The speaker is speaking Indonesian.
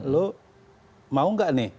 lu mau nggak nih